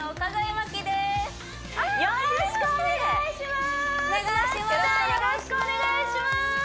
麻希さんよろしくお願いします